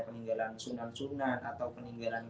peninggalan sunan sunan atau peninggalan